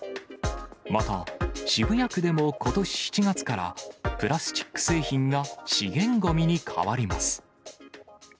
また、渋谷区でもことし７月から、プラスチック製品が資源ごみに変わります。